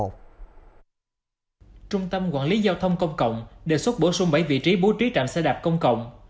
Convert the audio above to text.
trung tâm quản lý giao thông công cộng đề xuất bổ sung bảy vị trí bố trí trạm xe đạp công cộng